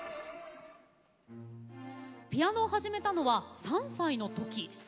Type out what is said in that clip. ピアノを始めたのは３歳の時。